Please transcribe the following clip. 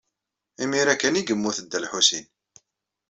Imir-a kan ay yemmut Dda Lḥusin.